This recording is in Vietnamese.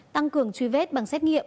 tăng cường truy vết bằng xét nghiệm